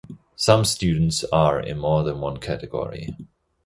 Some students are in more than one category.